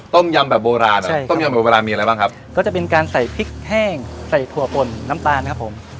ต้มยำแบบโบราณอ่ะใช่ต้มยำโบราณมีอะไรบ้างครับก็จะเป็นการใส่พริกแห้งใส่ถั่วป่นน้ำตาลครับผม